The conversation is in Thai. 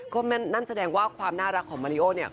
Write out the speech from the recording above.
ก็นั่นแสดงว่าความน่ารักของมาริโอเนี่ย